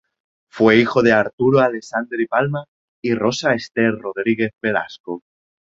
Fue hijo de Arturo Alessandri Palma y Rosa Ester Rodríguez Velasco.